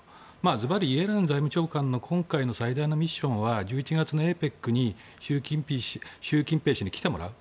ずばりイエレン財務長官の今回の最大のミッションは１１月のＡＰＥＣに習近平氏に来てもらう。